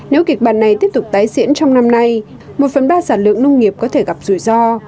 nếu kịch bản này tiếp tục tái diễn trong năm nay một phần ba sản lượng nông nghiệp có thể gặp rủi ro